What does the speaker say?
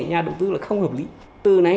nhà đầu tư là không hợp lý từ nay